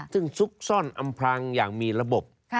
ซึ่งซุกซ่อนอำพลังอย่างมีระบบ